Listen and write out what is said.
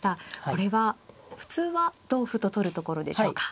これは普通は同歩と取るところでしょうか。